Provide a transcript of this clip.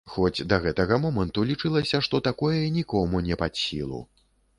Хоць да гэтага моманту лічылася, што такое нікому не пад сілу.